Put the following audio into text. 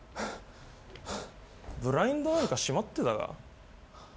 ブラインドなんか閉まってたか？